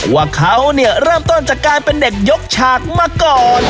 ว่าเขาเนี่ยเริ่มต้นจากการเป็นเด็กยกฉากมาก่อน